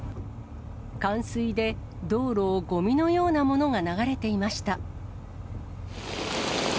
冠水で道路をごみのようなものが流れていました。